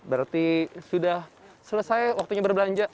berarti sudah selesai waktunya berbelanja